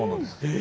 え？